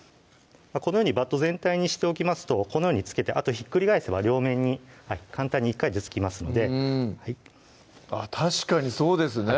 このようにバット全体にしておきますとこのように付けてひっくり返せば両面に簡単に１回で付きますので確かにそうですね